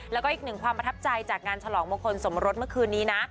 แล้วก็อีกหนึ่งความประทับใจจากงานฉลองมงคลสมรสเมื่อคืนนี้นะ